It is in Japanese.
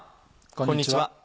こんにちは。